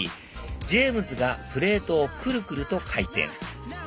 ＪＡＭＥＳがプレートをくるくると回転